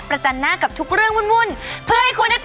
แอร์โหลดแล้วคุณล่ะโหลดแล้ว